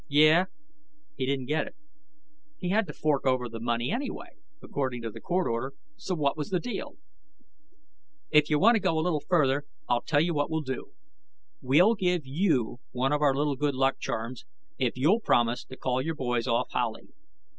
"Yeah?" He didn't get it. He had to fork over the money anyway, according to the court order, so what was the deal? "If you want to go a little further, I'll tell you what we'll do. We'll give you one of our little good luck charms, if you'll promise to call your boys off Howley."